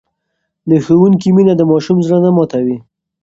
د ښوونکي مینه د ماشوم زړه نه ماتوي.